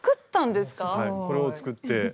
これを作って。